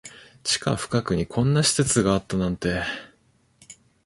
地下深くにこんな施設があったなんて